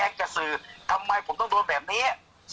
แม่ยังคงมั่นใจและก็มีความหวังในการทำงานของเจ้าหน้าที่ตำรวจค่ะ